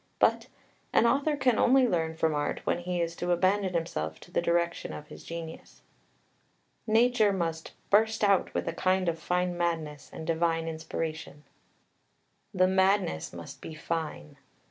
But "an author can only learn from art when he is to abandon himself to the direction of his genius." Nature must "burst out with a kind of fine madness and divine inspiration." The madness must be fine.